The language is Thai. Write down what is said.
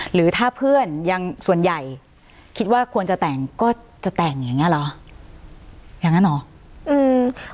หรือถ้าเพื่อนยังส่วนใหญ่คิดว่าควรจะแต่งก็จะแต่งอย่างเงี้เหรออย่างนั้นเหรออืม